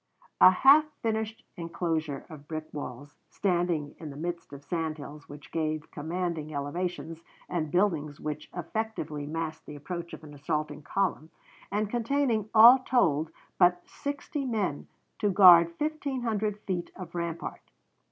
A half finished inclosure of brick walls, standing in the midst of sand hills which gave commanding elevations, and buildings which effectually masked the approach of an assaulting column, and containing, all told, but sixty men to guard 1500 feet of rampart.